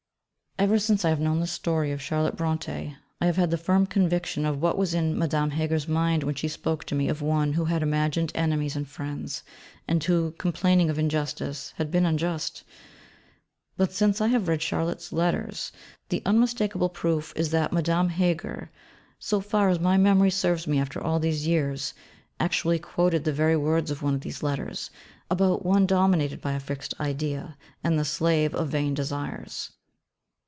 Ever since I have known the story of Charlotte Brontë I have had the firm conviction of what was in Madame Heger's mind when she spoke to me of one who had imagined enemies in friends, and who, complaining of injustice, had been unjust. But since I have read Charlotte's Letters, the unmistakable proof is that Madame Heger, so far as my memory serves me after all these years, actually quoted the very words of one of these letters, about one dominated by a fixed idea, and the slave of vain desires.